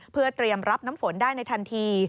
เพื่อเตรียมรับน้ำฝนได้ในทันที